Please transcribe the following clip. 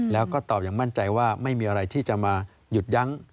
แล้วก็ตอบอย่างมั่นใจว่าไม่มีอะไรที่จะมาหยุดยั้ง